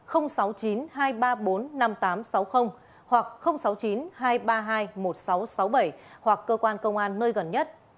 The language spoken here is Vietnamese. hoặc sáu mươi chín hai trăm ba mươi hai một nghìn sáu trăm sáu mươi bảy hoặc cơ quan công an nơi gần nhất